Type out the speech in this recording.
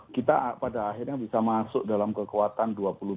kita pada akhirnya bisa masuk dalam kekuatan